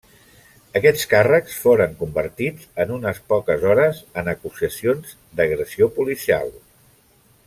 Aquests càrrecs foren convertits en unes poques hores en acusacions d'agressió policial.